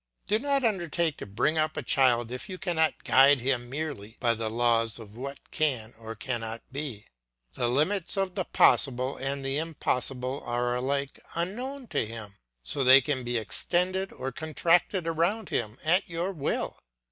Do not undertake to bring up a child if you cannot guide him merely by the laws of what can or cannot be. The limits of the possible and the impossible are alike unknown to him, so they can be extended or contracted around him at your will.